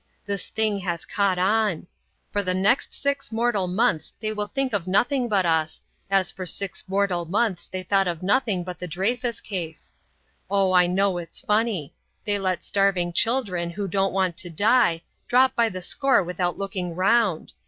This thing has caught on. For the next six mortal months they will think of nothing but us, as for six mortal months they thought of nothing but the Dreyfus case. Oh, I know it's funny. They let starving children, who don't want to die, drop by the score without looking round.